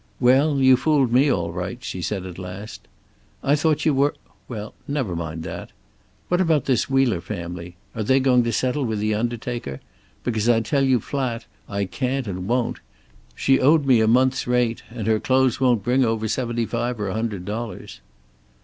"Well, you fooled me all right," she said at last. "I thought you were well, never mind that. What about this Wheeler family? Are they going to settle with the undertaker? Because I tell you flat, I can't and won't. She owed me a month's rent, and her clothes won't bring over seventy five or a hundred dollars."